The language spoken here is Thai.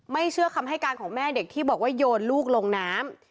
เชื่อคำให้การของแม่เด็กที่บอกว่าโยนลูกลงน้ำ